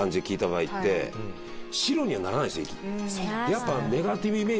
やっぱ。